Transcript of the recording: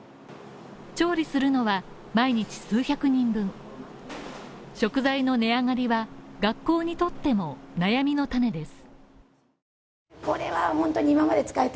調理するのは、毎日数百人分食材の値上がりは学校にとっても悩みの種です。